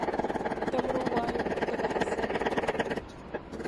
Tibiri waayo ku tibi azali.